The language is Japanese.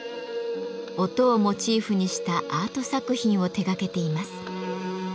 音をモチーフにしたアート作品を手がけています。